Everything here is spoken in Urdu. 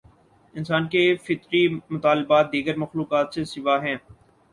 انسان کے فطری مطالبات، دیگر مخلوقات سے سوا ہیں۔